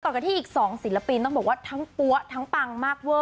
ต่อกันที่อีกสองศิลปินต้องบอกว่าทั้งปั้งทั้งปั๊งมากเว้อ